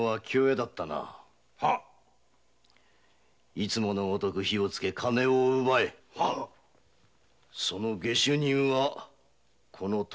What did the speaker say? いつものごとく火をつけ金を奪えその下手人はこの「トビクチ」の持ち主だ。